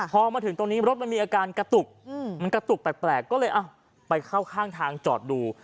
พอมาถึงตรงนี้รถมันมีอาการกระตุกมันกระตุกแปลกก็เลยไปเข้าข้างทางจอดดู